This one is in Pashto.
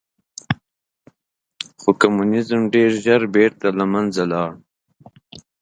خو کمونیزم ډېر ژر بېرته له منځه لاړ.